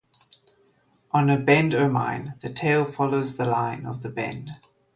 On a "bend ermine", the tails follow the line of the bend.